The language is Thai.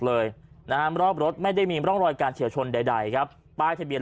เลยนะฮะรอบรถไม่ได้มีร่องรอยการเฉียวชนใดครับป้ายทะเบียน